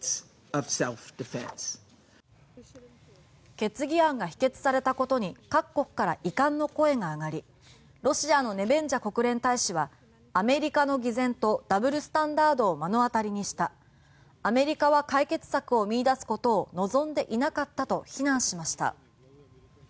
決議案が否決されたことに各国から遺憾の声が上がりロシアのネベンジャ国連大使はアメリカの偽善とダブルスタンダードを目の当たりにしたアメリカは解決策を見いだすことを望んでいなかったと非難しました。